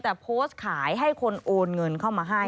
แต่โพสต์ขายให้คนโอนเงินเข้ามาให้